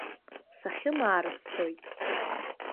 Сахьымаара сцоит!